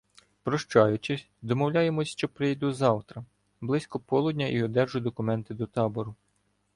Прощаючись, домовляємося, що прийду завтра близько полудня і одержу документи до табору.